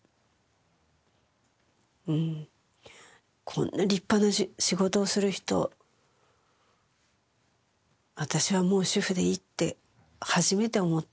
こんな立派な仕事をする人私はもう主婦でいいって初めて思ったんですよ。